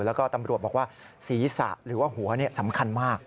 แล้วก็ตำรวจบอกว่าศีรษะหรือว่าหัวสำคัญมาก